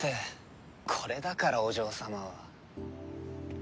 これだからお嬢様は。